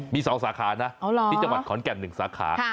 มี๒สาขานะที่จังหวัดขอนแก่น๑สาขา